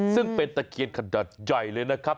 ซึ่งเป็นตะเคียนขนาดใหญ่เลยนะครับ